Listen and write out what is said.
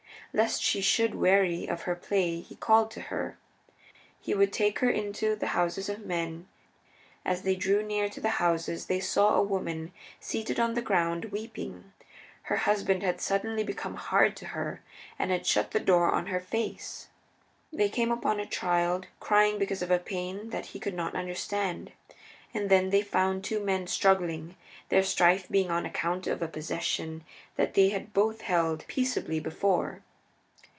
Lest she should weary of her play he called to her. He would take her into the houses of men. As they drew near to the houses they saw a woman seated on the ground, weeping; her husband had suddenly become hard to her and had shut the door on her face. They came upon a child crying because of a pain that he could not understand. And then they found two men struggling, their strife being on account of a possession that they had both held peaceably before.